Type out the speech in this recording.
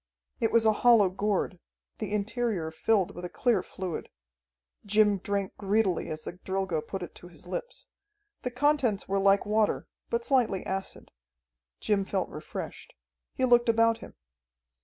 It was a hollow gourd, the interior filled with a clear fluid. Jim drank greedily as the Drilgo put it to his lips. The contents were like water, but slightly acid. Jim felt refreshed. He looked about him.